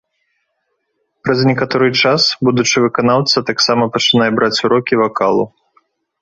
Праз некаторы час будучы выканаўца таксама пачынае браць урокі вакалу.